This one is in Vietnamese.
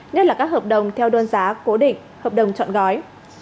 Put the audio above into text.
nhất là các hợp đồng theo đơn giá cố định hợp đồng chọn gói